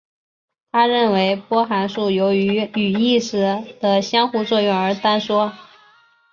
他认为波函数由于与意识的相互作用而坍缩。